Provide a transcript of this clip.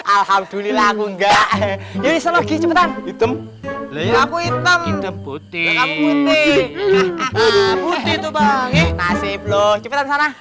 alhamdulillah aku enggak ini selagi cepetan hitam hitam putih putih tuh banget nasib loh